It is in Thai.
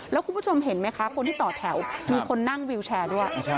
แล้วคุณผู้ชมเห็นไหมคะคนที่ต่อแถวมีคนนั่งวิวแชร์ด้วย